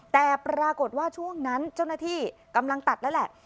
แต่ปรากฏว่าช่วงนั้นเจ้าหน้าที่กำลังตัดแล้วแหละ